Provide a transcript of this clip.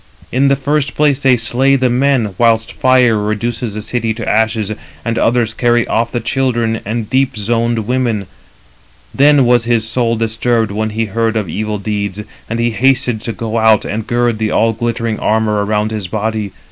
In the first place, they slay the men, 327 whilst fire reduces the city to ashes; and others carry off the children and deep zoned women. Then was his soul disturbed when he heard of evil deeds, and he hasted to go and gird the all glittering armour around his body.